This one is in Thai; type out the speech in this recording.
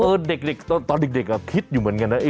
เด็กตอนเด็กคิดอยู่เหมือนกันนะ